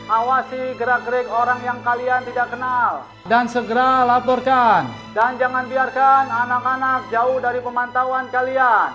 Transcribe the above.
awasi gerak gerik orang yang kalian tidak kenal